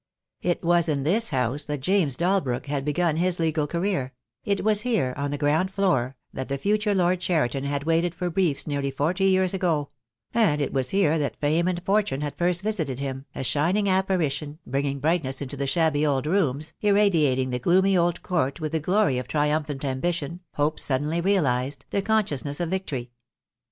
It was in this house that James Dalbrook had begun his legal career; it was here, on the ground floor, that the future Lord Cheriton had waited for briefs nearly forty years ago; and it was here that fame and fortune had first visited him, a shining appari tion, bringing brightness into the shabby old rooms, irradiating the gloomy old court with the glory of triumphant ambition, hopes suddenly realized, the con sciousness of victory.